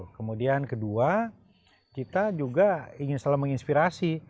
kemudian kedua kita juga ingin selalu menginspirasi